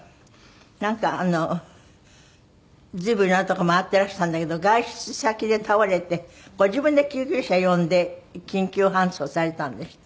なんか随分いろんな所回ってらしたんだけど外出先で倒れてご自分で救急車呼んで緊急搬送されたんですって？